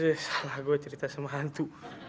setelah gue cerita sama hantu